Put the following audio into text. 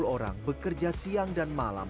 satu ratus lima puluh orang bekerja siang dan malam